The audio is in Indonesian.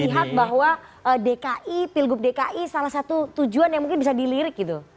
melihat bahwa dki pilgub dki salah satu tujuan yang mungkin bisa dilirik gitu